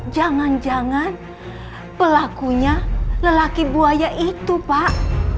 jangan jangan pelakunya lelaki buaya itu pak